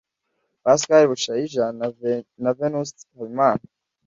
Pascal Bushaija na Venuste Habimana